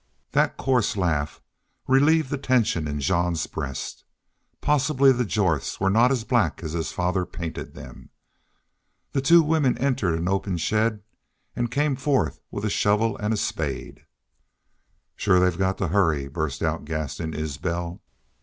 That coarse laugh relieved the tension in Jean's breast. Possibly the Jorths were not as black as his father painted them. The two women entered an open shed and came forth with a shovel and spade. "Shore they've got to hurry," burst out Gaston Isbel.